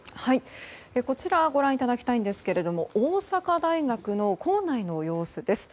こちらご覧いただきたいんですが大阪大学の構内の様子です。